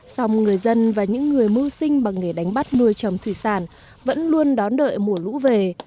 sòng người dân và những người mưu sinh bằng nghề đánh bắt nuôi trầm thủy sản vẫn luôn đón đợi mùa lũ về